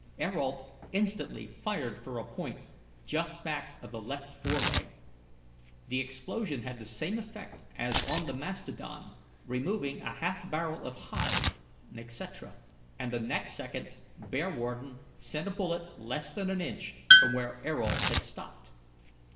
Ayrault instantly fired for a point just back of the left foreleg. The explosion had the same effect as on the mastodon, removing a half barrel of hide, etc; and the next second Bearwarden sent a bullet less than an inch from where Ayrault's had stopped.